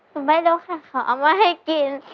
หนูไม่รู้ค่ะเขาเอามาให้กิน